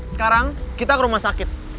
sekarang kita ke rumah sakit